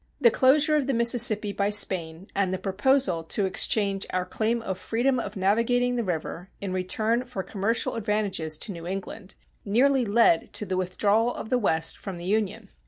The closure of the Mississippi by Spain, and the proposal to exchange our claim of freedom of navigating the river, in return for commercial advantages to New England, nearly led to the withdrawal of the West from the Union.